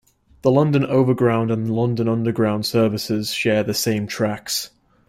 The London Overground and London Underground services share the same tracks.